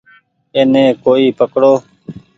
ايني ڪوئي پڪڙو ۔